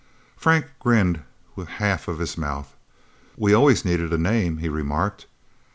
Frank grinned with half of his mouth. "We always needed a name," he remarked.